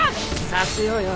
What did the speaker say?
させようよ。